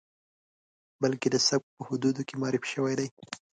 بلکې د سبک په حدودو کې معرفي شوی دی.